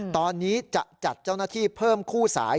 ตอนนี้จะจัดเจ้าหน้าที่เพิ่มคู่สาย